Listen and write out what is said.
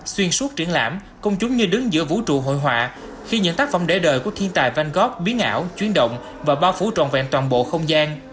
xuyên suốt triển lãm công chúng như đứng giữa vũ trụ hội họa khi những tác phẩm để đời của thiên tài văn góp biến ảo chuyến động và bao phủ tròn vẹn toàn bộ không gian